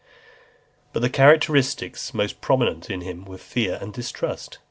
XXXV. But the characteristics most predominant in him were fear and distrust.